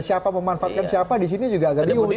siapa memanfaatkan siapa di sini juga agak bingung